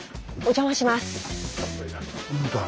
お邪魔します。